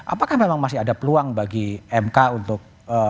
apakah memang masih ada peluang bagi mk untuk